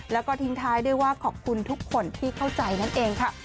แล้วก็ทิ้งท้ายด้วยว่าขอบคุณทุกคนที่เข้าใจนั่นเองค่ะ